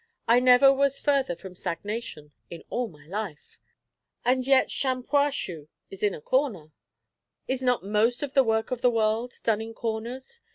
I never was further from stagnation in all my life." "And yet Shampuashuh is in a corner!" "Is not most of the work of the world done in corners?